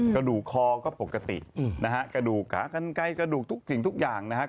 กระดูกคอก็ปกตินะฮะกระดูกขากระดูกสิ่งทุกอย่างนะฮะ